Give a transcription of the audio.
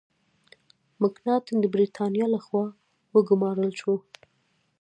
مکناټن د برتانیا له خوا وګمارل شو.